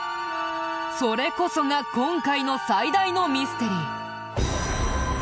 それこそが今回の最大のミステリー。